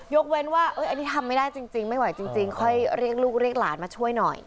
เว้นว่าอันนี้ทำไม่ได้จริงไม่ไหวจริงค่อยเรียกลูกเรียกหลานมาช่วยหน่อย